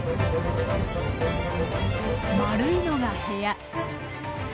丸いのが部屋。